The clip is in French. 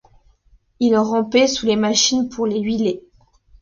Ils rampaient sous les machines pour les huiler.